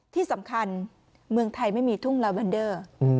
ที่สำคัญเมืองไทยไม่มีทุ่งลาเวนเดอร์